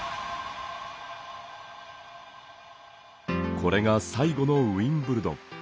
これが最後のウィンブルドン。